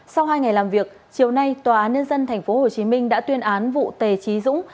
sau hai ngày làm việc chiều nay tòa án nhân dân tp hcm đã tuyên án vụ tề trí dũng